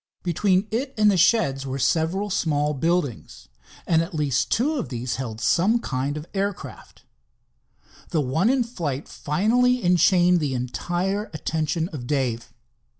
Between it and the sheds were several small buildings, and at least two of these held some kind of air craft. The one in flight finally enchained the entire attention of Dave.